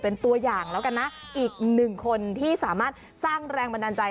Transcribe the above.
เป็นตัวอย่างแล้วกันนะอีกหนึ่งคนที่สามารถสร้างแรงบันดาลใจ